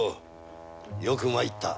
よく参った。